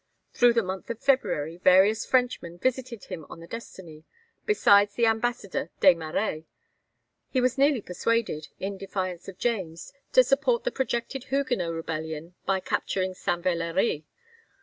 Through the month of February various Frenchmen visited him on the 'Destiny,' besides the ambassador, Des Marêts. He was nearly persuaded, in defiance of James, to support the projected Huguenot rebellion by capturing St. Valéry.